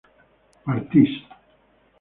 partís